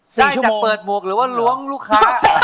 ที่มาเปิดหมวกหรือว่าล้วงลูกค้า